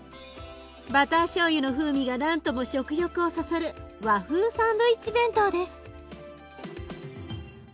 バターしょうゆの風味が何とも食欲をそそる和風サンドイッチ弁当です。